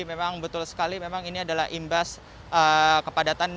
memang betul sekali memang ini adalah imbas kepadatan